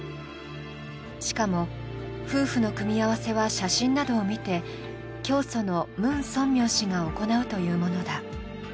しかも夫婦の組み合わせは写真などを見て教祖のムン・ソンミョン氏が行うというものだ。